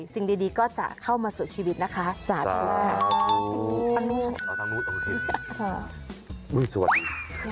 สิ่งดีก็จะเข้ามาสู่ชีวิตนะคะสาธุค่ะ